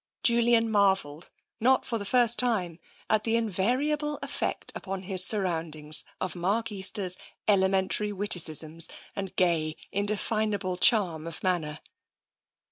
Julian marvelled, not at all for the first time, at the invariable effect upon his surroundings of Mark Easter's elementary witticisms and gay, indefinable charm of manner.